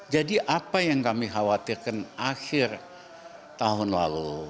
jadi apa yang kami khawatirkan akhir tahun lalu